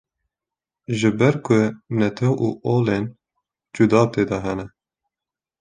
Ji ber ku netew û olên cuda tê de hene.